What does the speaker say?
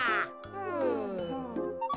うん。